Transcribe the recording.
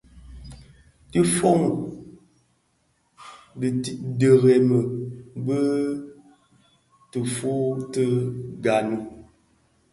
Ti foňdak tiremi bi bë nkak tifuu ti gani.